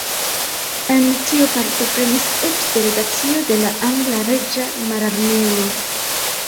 En tio partoprenis eĉ delegacio de la angla Reĝa Mararmeo.